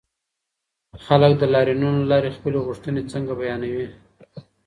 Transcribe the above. خلګ د لاريونونو له لاري خپلي غوښتنې څنګه بيانوي؟